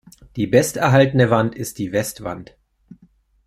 Die best erhaltene Wand ist die Westwand.